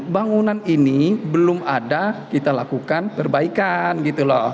bangunan ini belum ada kita lakukan perbaikan gitu loh